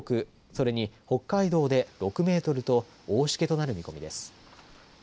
それに北海道で６メートルと大しけとなる見込みです。